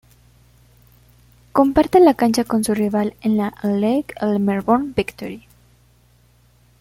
Comparte la cancha con su rival en la A-League, el Melbourne Victory.